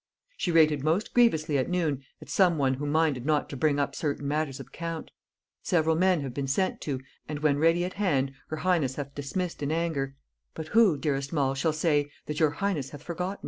She rated most grievously at noon at some one who minded not to bring up certain matters of account: several men have been sent to, and when ready at hand, her highness hath dismissed in anger; but who, dearest Mall, shall say, that 'your highness hath forgotten?'"